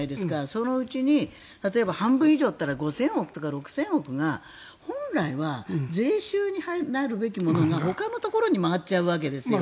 そのうち例えば半分以上だったら５０００億とか６０００億が本来は税収になるべきものがほかのところに回っちゃうわけですよ。